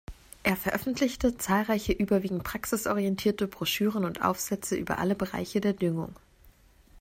Er veröffentlichte zahlreiche, überwiegend praxisorientierte Broschüren und Aufsätze über alle Bereiche der Düngung.